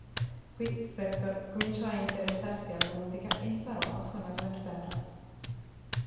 Qui Spector cominciò a interessarsi alla musica e imparò a suonare la chitarra.